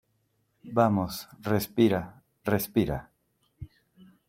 vamos, respira , respira.